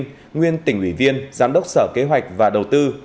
nguyễn ngọc thu nguyên tỉnh uỷ viên giám đốc sở kế hoạch và đầu tư